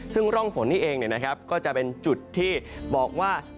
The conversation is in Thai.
ซึ่งร่องฝนนี่เองก็จะเป็นจุดที่บอกว่า